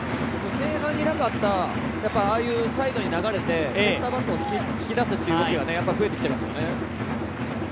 前半になかったサイドに流れてセンターバックを引き出すという動きは増えてきていますよね。